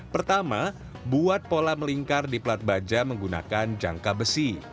pertama buat pola melingkar di plat baja menggunakan jangka besi